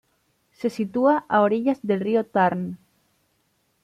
Se sitúa a orillas del río Tarn.